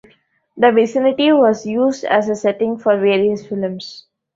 The vicinity was used as a setting for various films.